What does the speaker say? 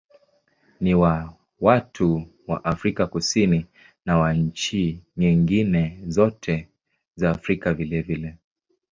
Ni wa watu wa Afrika Kusini na wa nchi nyingine zote za Afrika vilevile.